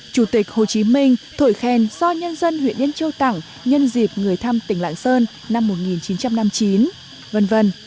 chủ tịch hồ chí minh thổi khen do nhân dân huyện yên châu tặng nhân dịp người thăm tỉnh lạng sơn năm một nghìn chín trăm năm mươi chín v v